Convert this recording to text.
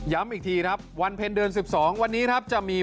ย้ำอีกทีวันเพ็ญเดิน๑๒วันนี้จะมี